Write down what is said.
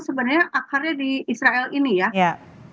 sebenarnya akarnya di israel ini ya